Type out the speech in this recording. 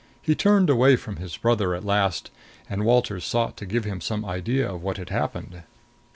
He turned away from his brother at last, and Walters sought to give him some idea of what had happened.